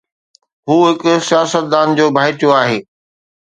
هو هڪ سياستدان جو ڀائٽيو آهي.